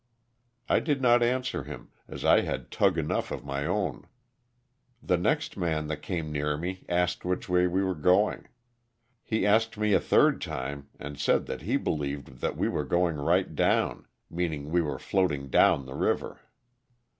I did not answer him, as I had tug enough of my own. The next man that came near me asked which way we were going. He asked me a third time and said that he believed that we were going right down, meaning we were floating down the river.